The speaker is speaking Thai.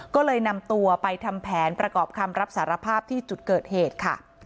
ก็เลยนำตัวไปทำแผนประกอบคำรับสารภาพที่จุดเกิดเหตุค่ะ